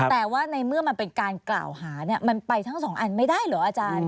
แต่ว่าในเมื่อมันเป็นการเก่าหามันไปทั้ง๒อันไม่ได้หรืออาจารย์